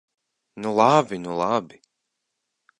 Nu labi, nu labi!